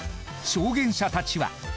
証言者たちは。